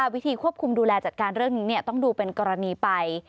วิธีควบคุมดูแลจัดการเรื่องนี้ต้องดูเป็นกรณีไป